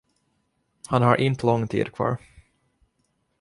Han har inte lång tid kvar.